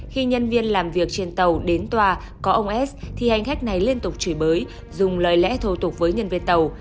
khi nhân viên làm việc trên tàu đến tòa có ông s thì hành khách này liên tục chửi bới dùng lời lẽ thô tục với nhân viên tàu